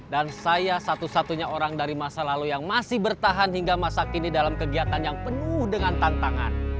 dan saya satu satunya orang dari masa lalu yang masih bertahan hingga masa kini dalam kegiatan yang penuh dengan tantangan